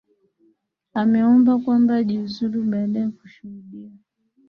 ameomba kwamba ajiuluzu baada ya kushuhudia